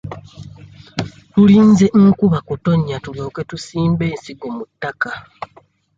Tulinze nkuba kutonnya tulyoke tusimbe ensingo mu ttaka.